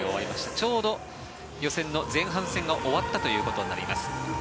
ちょうど予選の前半戦が終わったことになります。